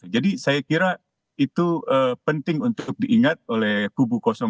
jadi saya kira itu penting untuk diingat oleh kubu dua